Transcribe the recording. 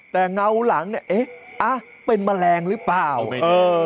แต่เงาหลังเนี่ยเอ๊ะเป็นแมลงหรือเปล่า